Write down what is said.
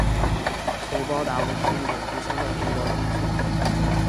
头孢达肟是一种第三代头孢菌素。